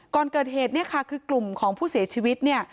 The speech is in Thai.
ก่อนเกิดเหตุเนี่ยค่ะคือกลุ่มของผู้เสียชีวิตเนี่ย